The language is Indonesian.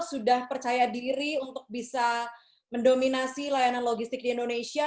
sudah percaya diri untuk bisa mendominasi layanan logistik di indonesia